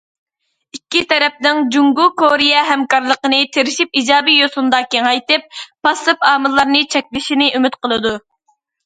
ئىككى تەرەپنىڭ جۇڭگو- كورېيە ھەمكارلىقىنى تىرىشىپ ئىجابىي يوسۇندا كېڭەيتىپ، پاسسىپ ئامىللارنى چەكلىشىنى ئۈمىد قىلىدۇ.